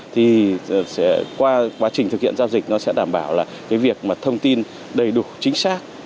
thì qua quá trình thực hiện giao dịch nó sẽ đảm bảo là cái việc mà thông tin đầy đủ chính xác